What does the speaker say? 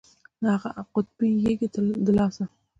د اغه قطبي يږ د لاسه.